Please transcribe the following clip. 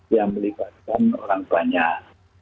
yang melibatkan orang banyak